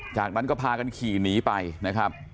จากนั้นก็พากันขี่หนีไปนะครับ